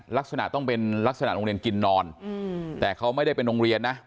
ลักษณะต้องเป็นลักษณะโรงเรียนกินนอนแต่เขาไม่ได้เป็นโรงเรียนนะ